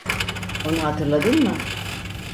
Onu hatırladın mı?